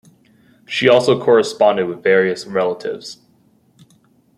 She also corresponded with various relatives.